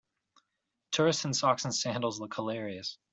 Tourists in socks and sandals look hilarious.